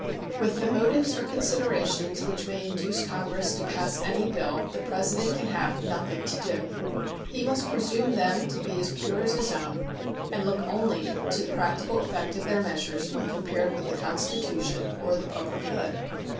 With the motives or considerations which may induce Congress to pass any bill the President can have nothing to do. He must presume them to be as pure as his own, and look only to the practical effect of their measures when compared with the Constitution or the public good.